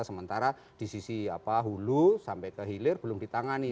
sementara di sisi hulu sampai ke hilir belum ditangani